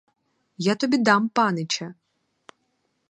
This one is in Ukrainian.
Я тобі дам панича!!